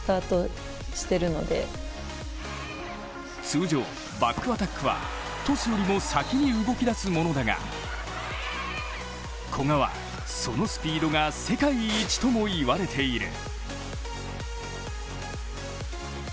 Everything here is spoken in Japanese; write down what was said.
通常、バックアタックはトスよりも先に動きだすものだが古賀はそのスピードが世界一ともいわれている。